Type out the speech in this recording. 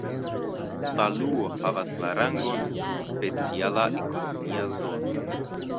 Paluo havas la rangon speciala ekonomia zono.